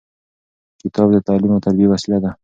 کتاب د تعلیم او تربیې وسیله ده.